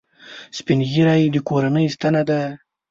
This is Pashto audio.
سپین ږیری د کورنۍ ستنه ده